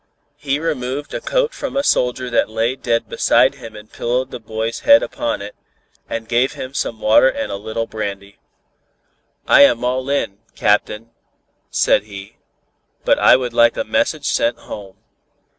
He removed a coat from a soldier that lay dead beside him and pillowed the boy's head upon it, and gave him some water and a little brandy. "I am all in, Captain," said he, "but I would like a message sent home."